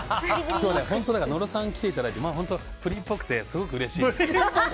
野呂さんに来ていただいてプリンっぽくてすごくうれしい。